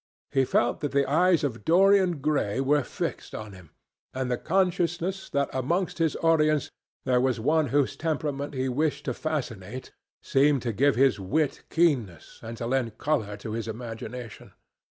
He felt that the eyes of Dorian Gray were fixed on him, and the consciousness that amongst his audience there was one whose temperament he wished to fascinate seemed to give his wit keenness and to lend colour to his imagination.